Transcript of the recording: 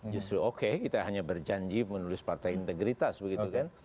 justru oke kita hanya berjanji menulis partai integritas begitu kan